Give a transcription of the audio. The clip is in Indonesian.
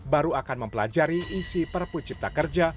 baru akan mempelajari isi perpu cipta kerja